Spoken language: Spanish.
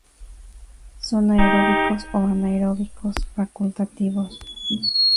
Son aeróbicos o anaeróbicos facultativos.